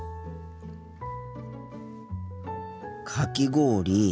かき氷。